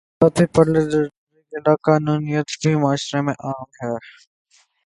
ساتھ ہی پرلے درجے کی لا قانونیت بھی معاشرے میں عام ہے۔